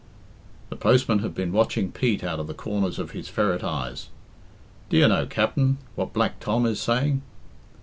The postman had been watching Pete out of the corners of his ferret eyes. "Do you know, Capt'n, what Black Tom is saying?"